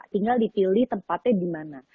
tinggal dipilih tempatnya di mana